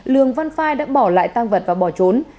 lường văn phai đã bỏ lại tăng vật và bỏ trốn